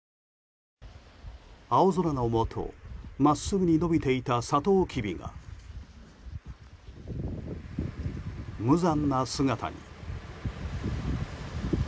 青空の下、まっすぐに伸びていたサトウキビが無残な姿に。